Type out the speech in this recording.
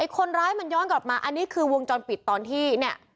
คนร้ายมันย้อนกลับมาอันนี้คือวงจรปิดตอนที่เนี่ย